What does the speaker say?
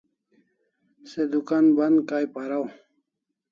Se dukan ban Kai paraw